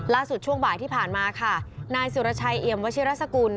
ล่าสุดช่วงบ่ายที่ผ่านมานายศิลาชัยเอียมวชิรสกุล